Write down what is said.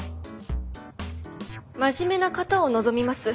真面目な方を望みます。